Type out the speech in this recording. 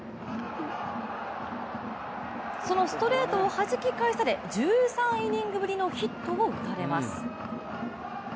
そのストレートをはじき返され、１３イニングぶりのヒットを打たれます。